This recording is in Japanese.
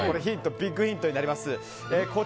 ビッグヒントになります。